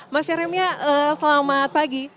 mas yeremia selamat pagi